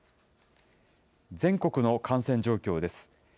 全国の感染状況です。